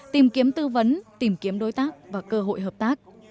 tìm kiếm tư vấn tìm kiếm đối tác và cơ hội hợp tác